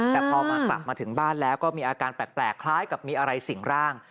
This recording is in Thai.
แต่พอมากลับมาถึงบ้านแล้วก็มีอาการแปลกคล้ายกับมีอะไรสิ่งร่าง